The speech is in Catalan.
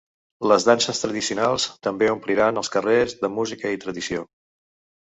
Les danses tradicionals també ompliran els carrers de música i tradició.